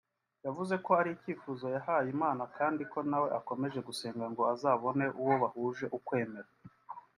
yavuze ko ari icyifuzo yahaye Imana kandi ko nawe akomeje gusenga ngo azabone uwo bahuje ukwemera